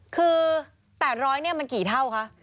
คือแปดร้อยนี้มันกี่เท่าคะ